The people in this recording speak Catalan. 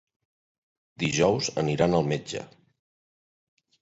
Dijous aniran al metge.